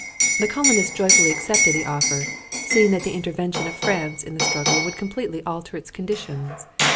The colonists joyfully accepted the offer, seeing that the intervention of France in the struggle would completely alter its conditions.